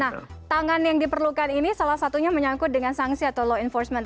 nah tangan yang diperlukan ini salah satunya menyangkut dengan sanksi atau law enforcement